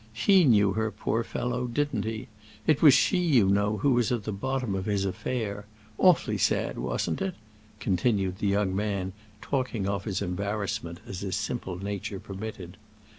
He knew her, poor fellow, didn't he? It was she, you know, who was at the bottom of his affair. Awfully sad, wasn't it?" continued the young man, talking off his embarrassment as his simple nature permitted.